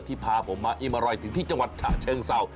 พาผมมาอิ่มอร่อยถึงที่จังหวัดฉะเชิงเศร้า